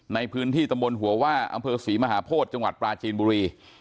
ในพื้นที่ตำบลหัวว่าอำเภอศรีมหาโพธิจังหวัดปลาจีนบุรี